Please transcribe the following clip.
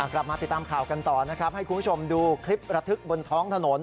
กลับมาติดตามข่าวกันต่อนะครับให้คุณผู้ชมดูคลิประทึกบนท้องถนน